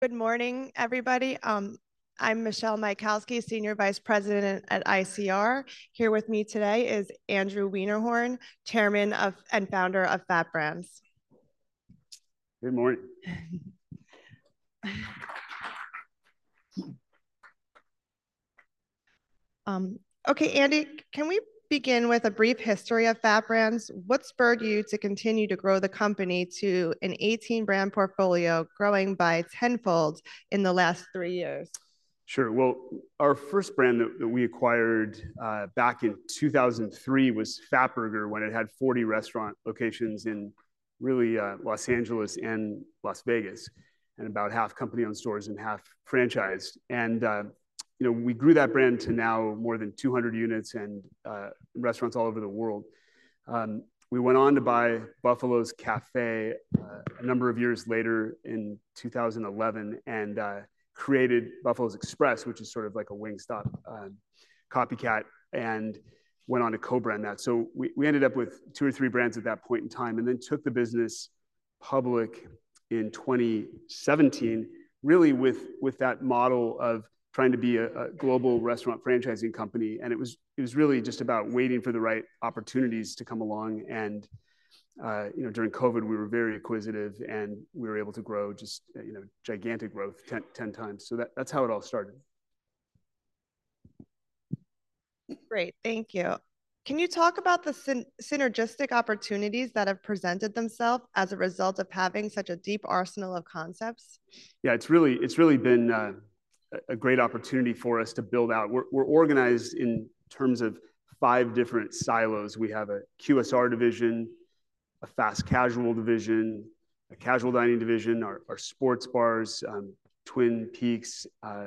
Good morning, everybody. I'm Michelle Michalski, Senior Vice President at ICR. Here with me today is Andrew Wiederhorn, Chairman and founder of FAT Brands. Good morning. Okay, Andy, can we begin with a brief history of FAT Brands? What spurred you to continue to grow the company to an 18-brand portfolio, growing by tenfold in the last three years? Sure. Well, our first brand that we acquired back in 2003 was Fatburger, when it had 40 restaurant locations in really Los Angeles and Las Vegas, and about half company-owned stores and half franchised. You know, we grew that brand to now more than 200 units and restaurants all over the world. We went on to buy Buffalo's Cafe a number of years later in 2011, and created Buffalo's Express, which is sort of like a Wingstop copycat, and went on to co-brand that. So we ended up with two or three brands at that point in time, and then took the business public in 2017, really with that model of trying to be a global restaurant franchising company. It was really just about waiting for the right opportunities to come along. You know, during COVID, we were very acquisitive, and we were able to grow just, you know, gigantic growth, 10, 10 times. So that's how it all started. Great. Thank you. Can you talk about the synergistic opportunities that have presented themselves as a result of having such a deep arsenal of concepts? Yeah, it's really, it's really been a great opportunity for us to build out. We're, we're organized in terms of five different silos. We have a QSR division, a fast-casual division, a casual dining division, our, our sports bars, Twin Peaks,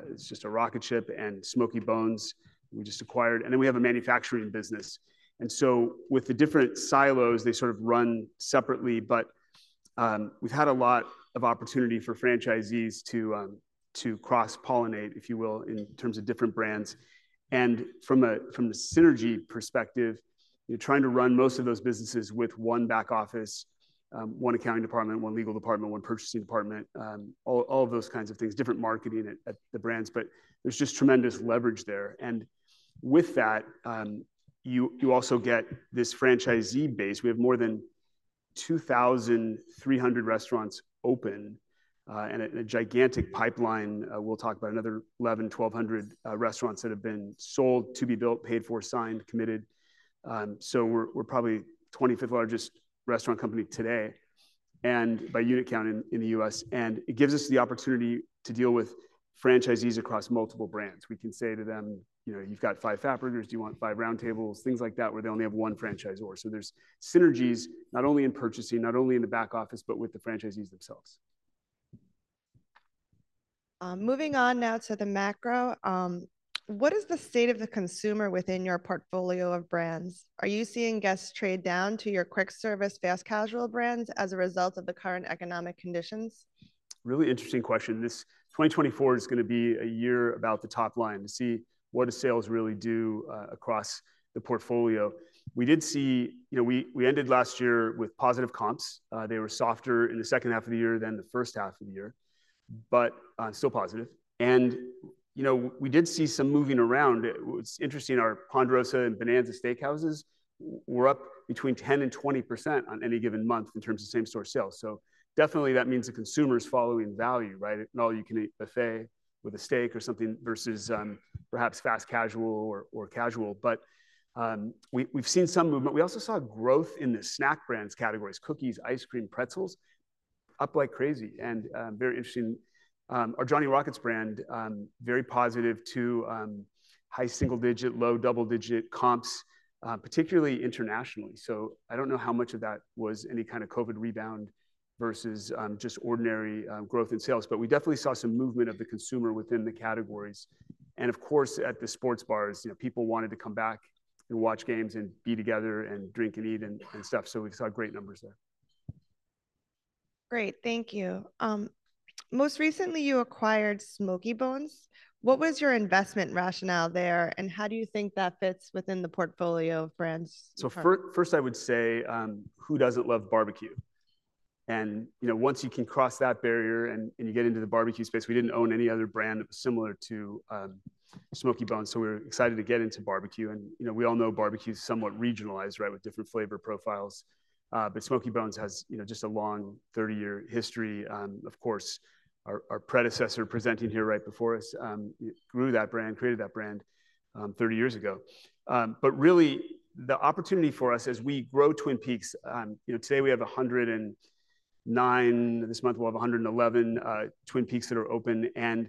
it's just a rocket ship and Smokey Bones we just acquired, and then we have a manufacturing business. And so with the different silos, they sort of run separately, but we've had a lot of opportunity for franchisees to cross-pollinate, if you will, in terms of different brands. And from the synergy perspective, you're trying to run most of those businesses with one back office, one accounting department, one legal department, one purchasing department, all, all of those kinds of things, different marketing at the brands, but there's just tremendous leverage there. With that, you also get this franchisee base. We have more than 2,300 restaurants open, and a gigantic pipeline, we'll talk about another 1,100-1,200 restaurants that have been sold to be built, paid for, signed, committed. So we're probably 25th largest restaurant company today, and by unit count in the U.S., and it gives us the opportunity to deal with franchisees across multiple brands. We can say to them, "You know, you've got five Fatburgers, do you want five Round Tables?" Things like that, where they only have one franchisor. So there's synergies, not only in purchasing, not only in the back office, but with the franchisees themselves. Moving on now to the macro. What is the state of the consumer within your portfolio of brands? Are you seeing guests trade down to your quick-service, fast-casual brands as a result of the current economic conditions? Really interesting question. This 2024 is gonna be a year about the top line to see what do sales really do across the portfolio. You know, we ended last year with positive comps. They were softer in the second half of the year than the first half of the year, but still positive. You know, we did see some moving around. It's interesting, our Ponderosa and Bonanza Steakhouses were up between 10% and 20% on any given month in terms of same-store sales. So definitely that means the consumer is following value, right? An all-you-can-eat buffet with a steak or something versus perhaps fast casual or casual. But we've seen some movement. We also saw growth in the snack brands categories: cookies, ice cream, pretzels, up like crazy, and very interesting. Our Johnny Rockets brand, very positive too, high single digit, low double digit comps, particularly internationally. So I don't know how much of that was any kind of COVID rebound versus, just ordinary, growth in sales, but we definitely saw some movement of the consumer within the categories. And of course, at the sports bars, you know, people wanted to come back and watch games and be together and drink and eat and, and stuff, so we saw great numbers there. Great. Thank you. Most recently, you acquired Smokey Bones. What was your investment rationale there, and how do you think that fits within the portfolio of brands? First, I would say, who doesn't love barbecue? And, you know, once you can cross that barrier and you get into the barbecue space, we didn't own any other brand that was similar to Smokey Bones, so we're excited to get into barbecue. And, you know, we all know barbecue is somewhat regionalized, right, with different flavor profiles. But Smokey Bones has, you know, just a long 30-year history. Of course, our predecessor presenting here right before us grew that brand, created that brand, 30 years ago. But really, the opportunity for us as we grow Twin Peaks, you know, today we have 109, this month we'll have 111 Twin Peaks that are open, and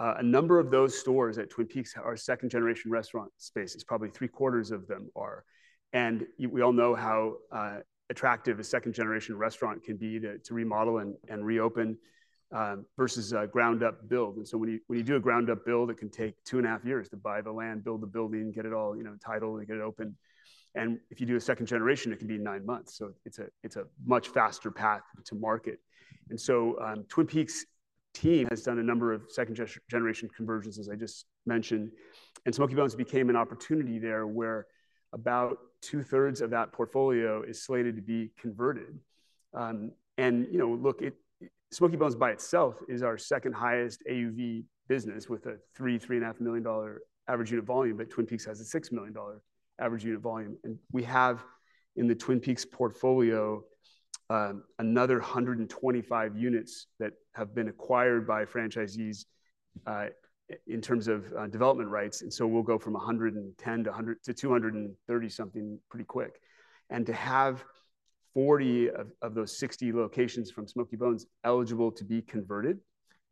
a number of those stores at Twin Peaks are second-generation restaurant spaces, probably three-quarters of them are. And we all know how attractive a second-generation restaurant can be to remodel and reopen versus a ground-up build. And so when you do a ground-up build, it can take 2.5 years to buy the land, build the building, get it all, you know, titled, and get it open. And if you do a second-generation, it can be nine months, so it's a much faster path to market. And so, Twin Peaks-... team has done a number of second generation conversions, as I just mentioned. Smokey Bones became an opportunity there, where about two-thirds of that portfolio is slated to be converted. And, you know, look, it, Smokey Bones by itself is our second highest AUV business, with a $3.5 million average unit volume, but Twin Peaks has a $6 million average unit volume. And we have, in the Twin Peaks portfolio, another 125 units that have been acquired by franchisees, in terms of development rights. And so we'll go from 110 to 230-something pretty quick. And to have 40 of those 60 locations from Smokey Bones eligible to be converted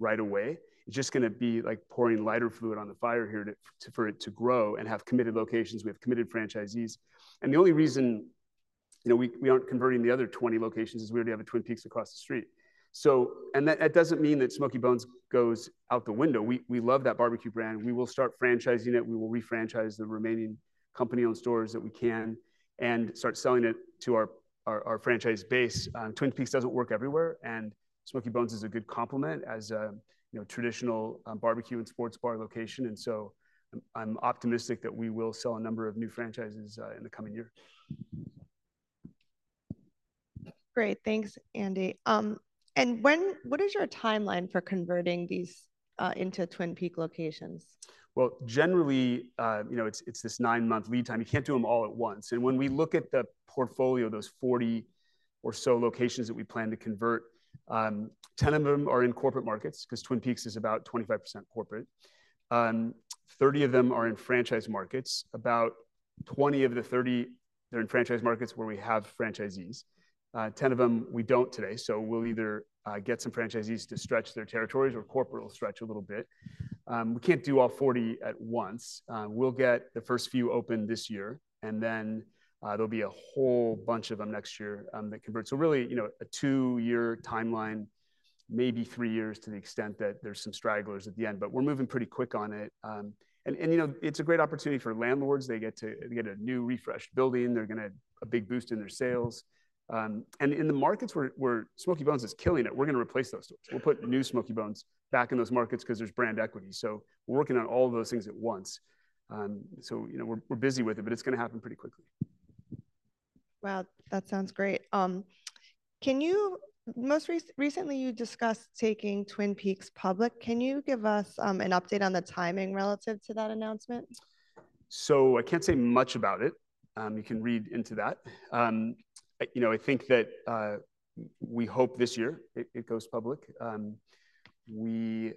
right away, it's just gonna be like pouring lighter fluid on the fire here for it to grow and have committed locations. We have committed franchisees. And the only reason, you know, we aren't converting the other 20 locations is we already have a Twin Peaks across the street. So, and that doesn't mean that Smokey Bones goes out the window. We love that barbecue brand. We will start franchising it. We will re-franchise the remaining company-owned stores that we can and start selling it to our franchise base. Twin Peaks doesn't work everywhere, and Smokey Bones is a good complement as a, you know, traditional barbecue and sports bar location. I'm optimistic that we will sell a number of new franchises in the coming year. Great. Thanks, Andy. What is your timeline for converting these into Twin Peaks locations? Well, generally, you know, it's this nine-month lead time. You can't do them all at once. And when we look at the portfolio, those 40 or so locations that we plan to convert, 10 of them are in corporate markets, 'cause Twin Peaks is about 25% corporate. 30 of them are in franchise markets. About 20 of the 30, they're in franchise markets where we have franchisees. 10 of them we don't today, so we'll either get some franchisees to stretch their territories or corporate will stretch a little bit. We can't do all 40 at once. We'll get the first few open this year, and then there'll be a whole bunch of them next year that convert. So really, you know, a two-year timeline, maybe three years, to the extent that there's some stragglers at the end, but we're moving pretty quick on it. And you know, it's a great opportunity for landlords. They get to, they get a new, refreshed building. They're gonna a big boost in their sales. And in the markets where Smokey Bones is killing it, we're gonna replace those stores. We'll put new Smokey Bones back in those markets 'cause there's brand equity, so we're working on all of those things at once. So you know, we're busy with it, but it's gonna happen pretty quickly. Wow, that sounds great. Can you—most recently, you discussed taking Twin Peaks public. Can you give us an update on the timing relative to that announcement? So I can't say much about it. You can read into that. You know, I think that we hope this year it goes public. We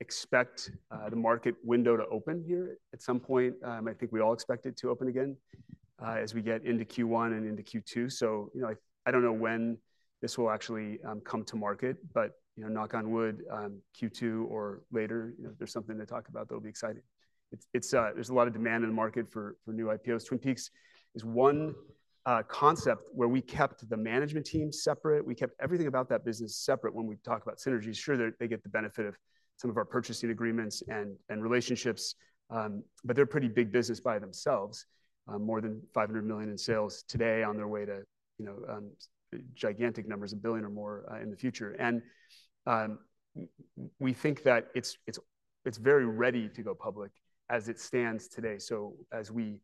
expect the market window to open here at some point. I think we all expect it to open again as we get into Q1 and into Q2. So, you know, I don't know when this will actually come to market, but, you know, knock on wood, Q2 or later, you know, there's something to talk about that'll be exciting. It's... There's a lot of demand in the market for new IPOs. Twin Peaks is one concept where we kept the management team separate. We kept everything about that business separate when we talk about synergies. Sure, they get the benefit of some of our purchasing agreements and relationships, but they're a pretty big business by themselves. More than $500 million in sales today on their way to, you know, gigantic numbers, $1 billion or more, in the future. We think that it's very ready to go public as it stands today. So as we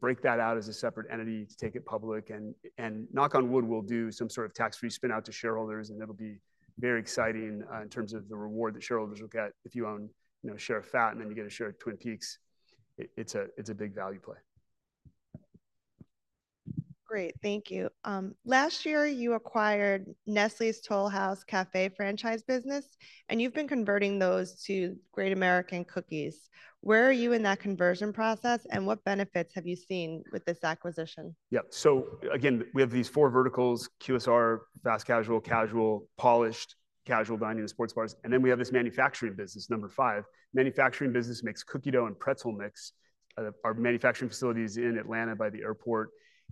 break that out as a separate entity to take it public, and knock on wood, we'll do some sort of tax-free spin out to shareholders, and it'll be very exciting in terms of the reward that shareholders will get. If you own, you know, a share of FAT and then you get a share of Twin Peaks, it's a big value play. Great, thank you. Last year, you acquired Nestlé's Toll House Café franchise business, and you've been converting those to Great American Cookies. Where are you in that conversion process, and what benefits have you seen with this acquisition? Yeah, so again, we have these four verticals: QSR, fast casual, casual, polished casual dining, and sports bars. And then we have this manufacturing business, number five. Manufacturing business makes cookie dough and pretzel mix. Our manufacturing facility is in Atlanta by the airport,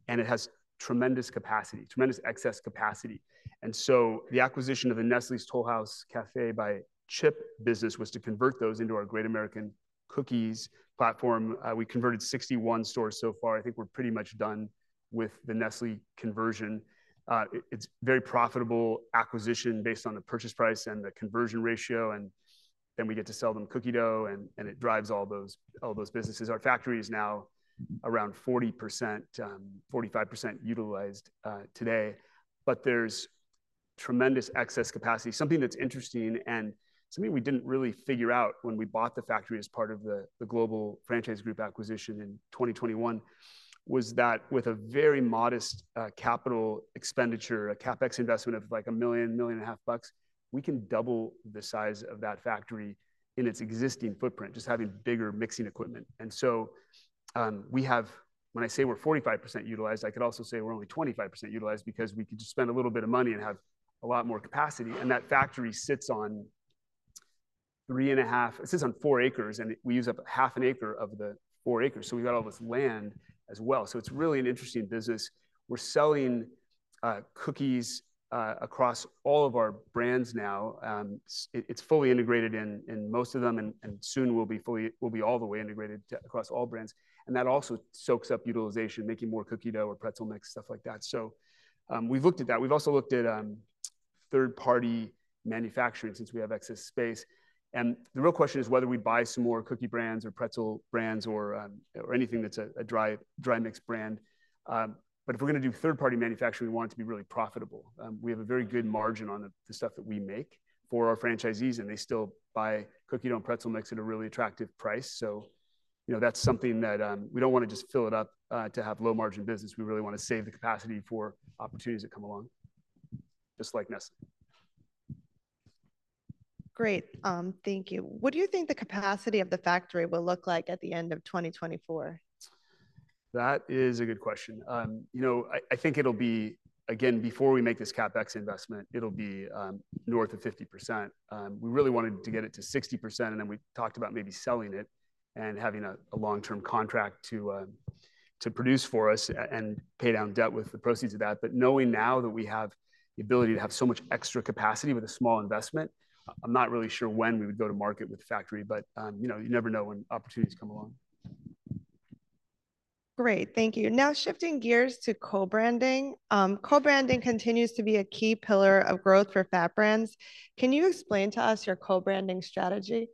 and it has tremendous capacity, tremendous excess capacity. And so the acquisition of the Nestlé Toll House Café by Chip business was to convert those into our Great American Cookies platform. We converted 61 stores so far. I think we're pretty much done with the Nestlé conversion. It's very profitable acquisition based on the purchase price and the conversion ratio, and then we get to sell them cookie dough, and it drives all those, all those businesses. Our factory is now around 40%, 45% utilized today, but there's tremendous excess capacity. Something that's interesting and something we didn't really figure out when we bought the factory as part of the Global Franchise Group acquisition in 2021 was that with a very modest capital expenditure, a CapEx investment of, like, $1 million-$1.5 million, we can double the size of that factory in its existing footprint, just having bigger mixing equipment. And so we have—when I say we're 45% utilized, I could also say we're only 25% utilized because we could just spend a little bit of money and have a lot more capacity, and that factory sits on four acres, and we use up half an acre of the four acres. So we've got all this land as well. So it's really an interesting business. We're selling cookies across all of our brands now. It's fully integrated in most of them, and soon will be all the way integrated across all brands. And that also soaks up utilization, making more cookie dough or pretzel mix, stuff like that. So, we've looked at that. We've also looked at third-party manufacturing since we have excess space. And the real question is whether we buy some more cookie brands or pretzel brands or anything that's a dry mix brand. But if we're gonna do third-party manufacturing, we want it to be really profitable. We have a very good margin on the stuff that we make for our franchisees, and they still buy cookie dough and pretzel mix at a really attractive price. You know, that's something that we don't wanna just fill it up to have low-margin business. We really wanna save the capacity for opportunities that come along, just like Nestlé. Great, thank you. What do you think the capacity of the factory will look like at the end of 2024? That is a good question. You know, I, I think it'll be, again, before we make this CapEx investment, it'll be north of 50%. We really wanted to get it to 60%, and then we talked about maybe selling it and having a long-term contract to produce for us and pay down debt with the proceeds of that. But knowing now that we have the ability to have so much extra capacity with a small investment, I'm not really sure when we would go to market with the factory, but you know, you never know when opportunities come along. Great, thank you. Now, shifting gears to co-branding. Co-branding continues to be a key pillar of growth for FAT Brands. Can you explain to us your co-branding strategy?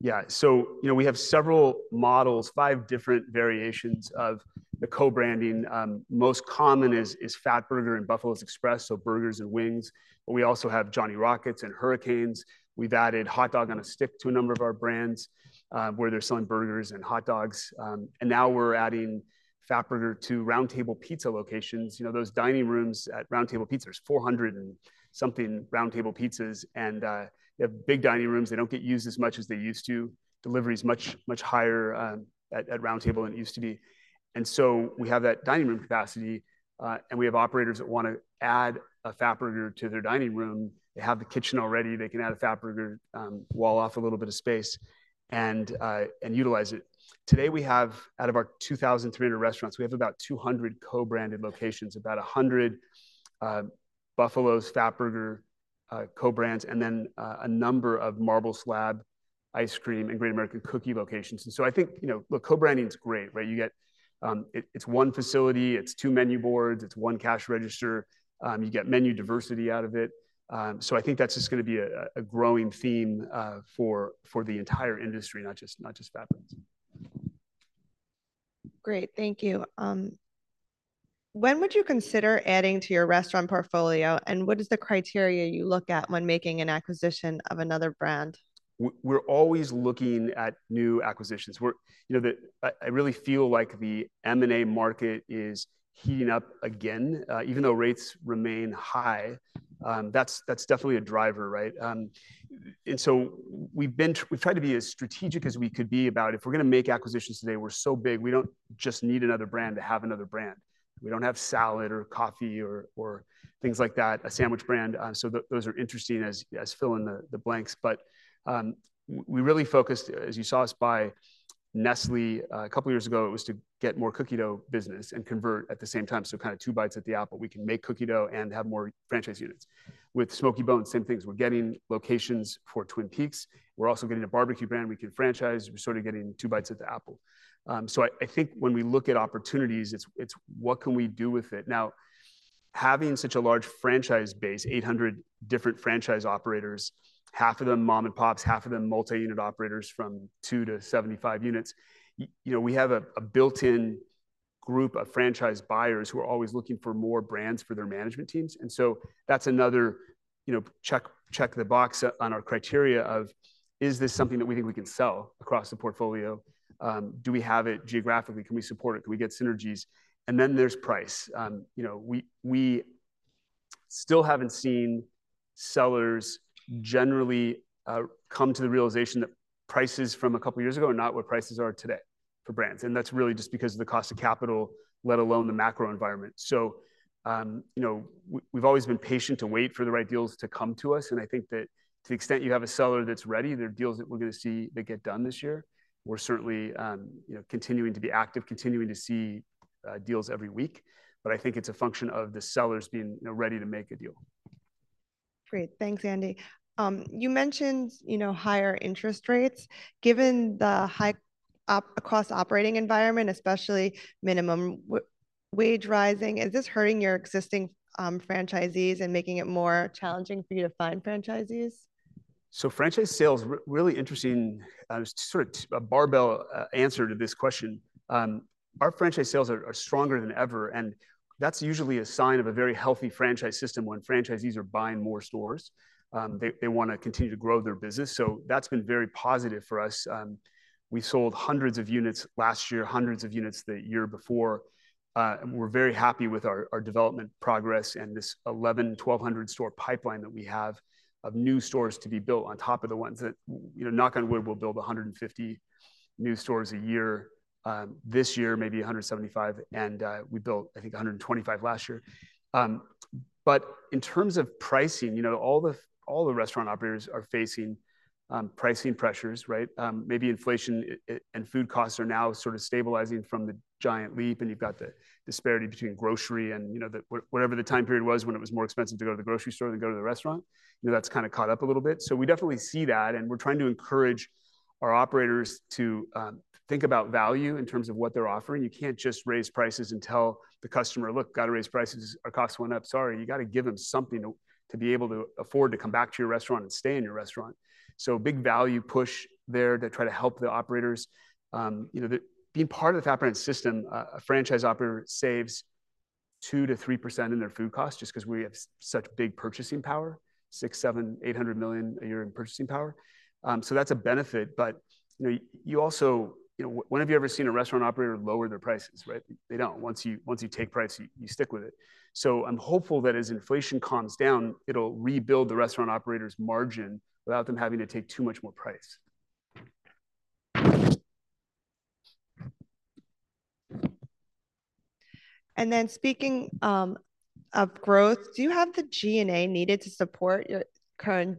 Yeah, so, you know, we have several models, five different variations of the co-branding. Most common is Fatburger and Buffalo's Express, so burgers and wings, but we also have Johnny Rockets and Hurricanes. We've added Hot Dog on a Stick to a number of our brands, where they're selling burgers and hot dogs. And now we're adding Fatburger to Round Table Pizza locations. You know, those dining rooms at Round Table Pizza, there's 400-something Round Table Pizzas, and they have big dining rooms. They don't get used as much as they used to. Delivery is much, much higher at Round Table than it used to be. And so we have that dining room capacity, and we have operators that wanna add a Fatburger to their dining room. They have the kitchen already. They can add a Fatburger, wall off a little bit of space and utilize it. Today, we have out of our 2,300 restaurants, we have about 200 co-branded locations, about 100 Buffalo's Fatburger co-brands, and then a number of Marble Slab Creamery and Great American Cookies locations. And so I think, you know, look, co-branding is great, right? You get it. It's one facility, it's two menu boards, it's one cash register. You get menu diversity out of it. So I think that's just gonna be a growing theme for the entire industry, not just FAT Brands. Great. Thank you. When would you consider adding to your restaurant portfolio, and what is the criteria you look at when making an acquisition of another brand? We're always looking at new acquisitions. You know, I really feel like the M&A market is heating up again, even though rates remain high. That's definitely a driver, right? And so we've tried to be as strategic as we could be about it. If we're gonna make acquisitions today, we're so big, we don't just need another brand to have another brand. We don't have salad or coffee or things like that, a sandwich brand. So those are interesting as fill in the blanks. But we really focused, as you saw us buy Nestlé a couple years ago, it was to get more cookie dough business and convert at the same time, so kind of two bites at the apple. We can make cookie dough and have more franchise units. With Smokey Bones, same things. We're getting locations for Twin Peaks. We're also getting a barbecue brand we can franchise. We're sort of getting two bites at the apple. So I think when we look at opportunities, it's what can we do with it? Now, having such a large franchise base, 800 different franchise operators, half of them mom-and-pops, half of them multi-unit operators from two to 75 units, you know, we have a built-in group of franchise buyers who are always looking for more brands for their management teams. And so that's another, you know, check the box on our criteria of: Is this something that we think we can sell across the portfolio? Do we have it geographically? Can we support it? Can we get synergies? And then there's price. You know, we still haven't seen sellers generally come to the realization that prices from a couple years ago are not what prices are today for brands, and that's really just because of the cost of capital, let alone the macro environment. So, you know, we've always been patient to wait for the right deals to come to us, and I think that to the extent you have a seller that's ready, there are deals that we're gonna see that get done this year. We're certainly, you know, continuing to be active, continuing to see deals every week. But I think it's a function of the sellers being, you know, ready to make a deal. Great. Thanks, Andy. You mentioned, you know, higher interest rates. Given the high operating environment, especially minimum wage rising, is this hurting your existing franchisees and making it more challenging for you to find franchisees? So franchise sales, really interesting, sort of a barbell, answer to this question. Our franchise sales are, are stronger than ever, and that's usually a sign of a very healthy franchise system. When franchisees are buying more stores, they, they wanna continue to grow their business. So that's been very positive for us. We sold hundreds of units last year, hundreds of units the year before, and we're very happy with our, our development progress and this 1,100-1,200 store pipeline that we have of new stores to be built on top of the ones that... You know, knock on wood, we'll build 150 new stores a year, this year maybe 175, and, we built, I think, 125 last year. But in terms of pricing, you know, all the, all the restaurant operators are facing pricing pressures, right? Maybe inflation and food costs are now sort of stabilizing from the giant leap, and you've got the disparity between grocery and, you know, whatever the time period was when it was more expensive to go to the grocery store than go to the restaurant. You know, that's kind of caught up a little bit. So we definitely see that, and we're trying to encourage our operators to think about value in terms of what they're offering. You can't just raise prices and tell the customer, "Look, gotta raise prices. Our costs went up. Sorry." You got to give them something to be able to afford to come back to your restaurant and stay in your restaurant. So big value push there to try to help the operators. You know, being part of the FAT Brands system, a franchise operator saves 2%-3% in their food costs just 'cause we have such big purchasing power, $600 million-$800 million a year in purchasing power. So that's a benefit. But, you know, when have you ever seen a restaurant operator lower their prices, right? They don't. Once you take price, you stick with it. So I'm hopeful that as inflation calms down, it'll rebuild the restaurant operator's margin without them having to take too much more price. And then speaking of growth, do you have the G&A needed to support your current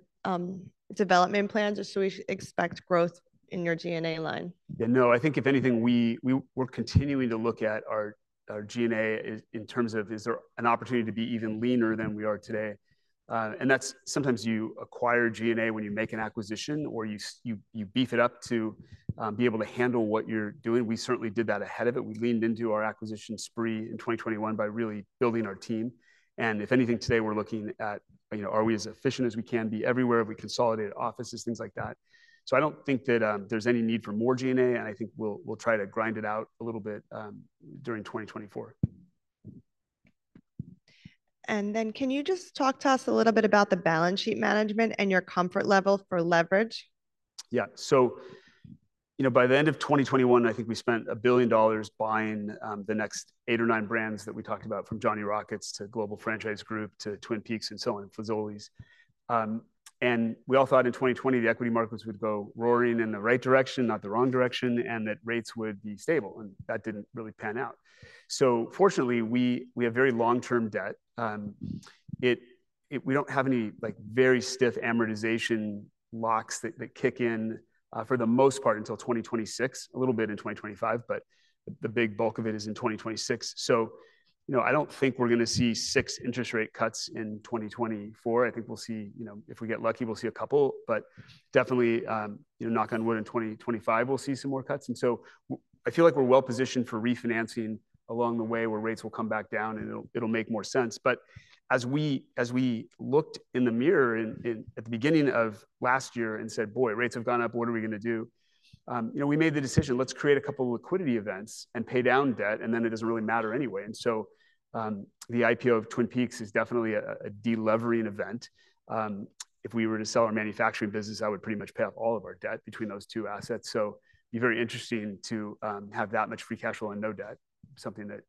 development plans, or should we expect growth in your G&A line? Yeah, no. I think if anything, we, we-- we're continuing to look at our, our G&A in, in terms of, is there an opportunity to be even leaner than we are today? And that's sometimes you acquire G&A when you make an acquisition, or you, you beef it up to be able to handle what you're doing. We certainly did that ahead of it. We leaned into our acquisition spree in 2021 by really building our team. And if anything, today we're looking at, you know, are we as efficient as we can be everywhere, have we consolidated offices, things like that. So I don't think that, there's any need for more G&A, and I think we'll, we'll try to grind it out a little bit during 2024. Can you just talk to us a little bit about the balance sheet management and your comfort level for leverage? Yeah. So, you know, by the end of 2021, I think we spent $1 billion buying the next eight or nine brands that we talked about, from Johnny Rockets to Global Franchise Group to Twin Peaks and so on, Fazoli's. We all thought in 2020 the equity markets would go roaring in the right direction, not the wrong direction, and that rates would be stable, and that didn't really pan out. So fortunately, we have very long-term debt. It. We don't have any, like, very stiff amortization locks that kick in for the most part until 2026, a little bit in 2025, but the big bulk of it is in 2026. So, you know, I don't think we're gonna see six interest rate cuts in 2024. I think we'll see... You know, if we get lucky, we'll see a couple, but definitely, you know, knock on wood, in 2025, we'll see some more cuts. And so I feel like we're well-positioned for refinancing along the way, where rates will come back down, and it'll, it'll make more sense. But as we, as we looked in the mirror in, at the beginning of last year and said, "Boy, rates have gone up, what are we gonna do?" You know, we made the decision: "Let's create a couple of liquidity events and pay down debt, and then it doesn't really matter anyway." And so, the IPO of Twin Peaks is definitely a de-levering event. If we were to sell our manufacturing business, that would pretty much pay off all of our debt between those two assets. So it'd be very interesting to have that much free cash flow and no debt, something that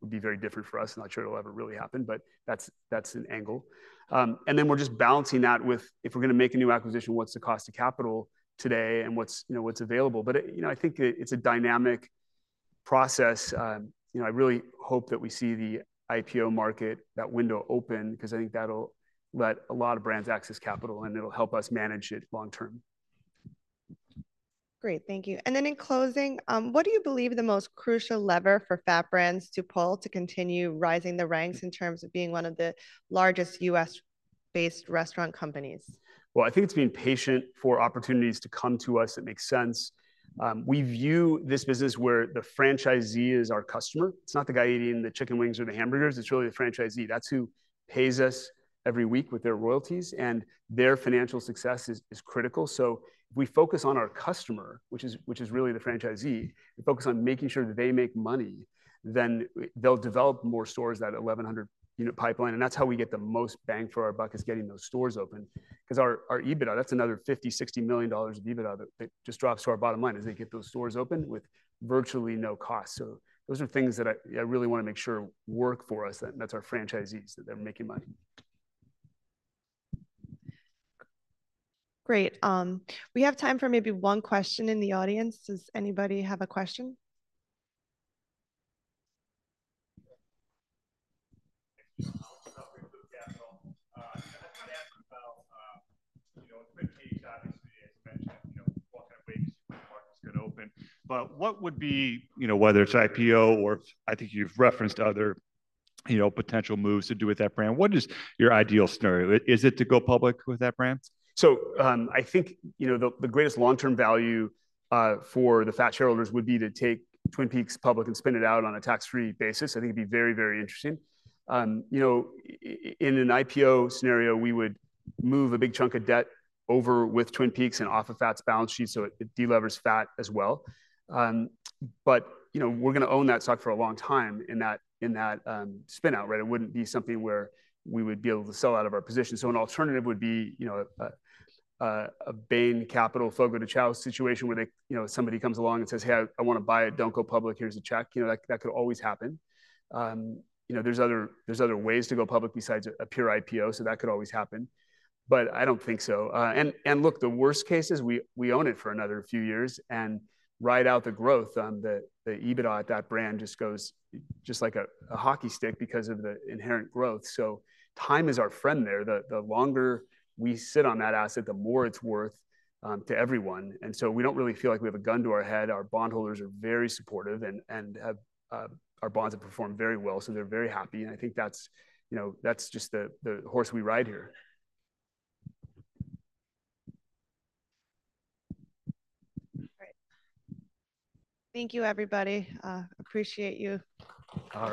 would be very different for us. Not sure it'll ever really happen, but that's an angle. And then we're just balancing that with, if we're gonna make a new acquisition, what's the cost of capital today, and what's, you know, what's available? But, you know, I think that it's a dynamic process. You know, I really hope that we see the IPO market, that window, open, 'cause I think that'll let a lot of brands access capital, and it'll help us manage it long term. Great, thank you. And then in closing, what do you believe the most crucial lever for FAT Brands to pull to continue rising the ranks in terms of being one of the largest U.S.-based restaurant companies? Well, I think it's being patient for opportunities to come to us that make sense. We view this business where the franchisee is our customer. It's not the guy eating the chicken wings or the hamburgers, it's really the franchisee. That's who pays us every week with their royalties, and their financial success is critical. So if we focus on our customer, which is really the franchisee, we focus on making sure that they make money, then they'll develop more stores, that 1,100-unit pipeline. And that's how we get the most bang for our buck, is getting those stores open, 'cause our EBITDA, that's another $50-$60 million of EBITDA that just drops to our bottom line, is they get those stores open with virtually no cost. So those are things that I really wanna make sure work for us, and that's our franchisees, that they're making money. Great. We have time for maybe one question in the audience. Does anybody have a question?... you know, Twin Peaks, obviously, as you mentioned, you know, what kind of ways the market's gonna open. But what would be, you know, whether it's IPO or I think you've referenced other, you know, potential moves to do with that brand, what is your ideal scenario? Is it to go public with that brand? So, I think, you know, the greatest long-term value for the FAT shareholders would be to take Twin Peaks public and spin it out on a tax-free basis. I think it'd be very, very interesting. You know, in an IPO scenario, we would move a big chunk of debt over with Twin Peaks and off of FAT's balance sheet, so it delevers FAT as well. But, you know, we're gonna own that stock for a long time in that spin-out, right? It wouldn't be something where we would be able to sell out of our position. So an alternative would be, you know, a Bain Capital, Fogo de Chão situation, where they, you know, somebody comes along and says, "Hey, I wanna buy it. Don't go public. Here's a check." You know, that could always happen. You know, there's other ways to go public besides a pure IPO, so that could always happen, but I don't think so. And look, the worst case is we own it for another few years and ride out the growth. The EBITDA at that brand just goes like a hockey stick because of the inherent growth. So time is our friend there. The longer we sit on that asset, the more it's worth to everyone. And so we don't really feel like we have a gun to our head. Our bondholders are very supportive and our bonds have performed very well, so they're very happy, and I think that's, you know, that's just the horse we ride here. All right. Thank you, everybody. Appreciate you. All right.